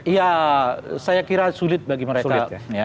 ya saya kira sulit bagi mereka